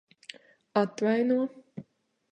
Atvaino?